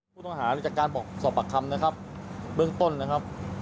ผู้ต้องหาจากการบอกสอบปากคำนะครับเบื้องต้นนะครับ